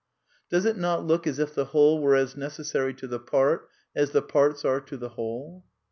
Does it not look as if the whole were as necessary to the part as the parts are to the whole